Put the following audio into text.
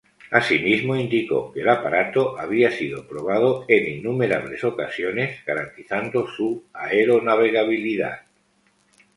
Asimismo indicó que el aparato había sido probado en innumerables ocasiones garantizando su aeronavegabilidad.